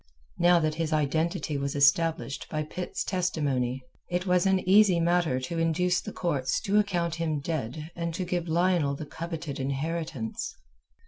Now that his identity was established by Pitt's testimony, it was an easy matter to induce the courts to account him dead and to give Lionel the coveted inheritance.